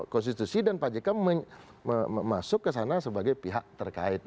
konstitusi dan pak jk masuk ke sana sebagai pihak terkait